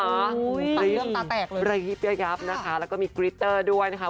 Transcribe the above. ตังค์เริ่มตาแตกเลยนะครับค่ะแล้วก็มีกริตเตอร์ด้วยนะคะ